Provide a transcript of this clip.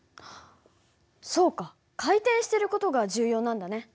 そうか回転してる事が重要なんだね。